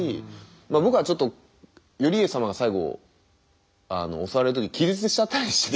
僕はちょっと頼家様が最後襲われる時に気絶しちゃったりして。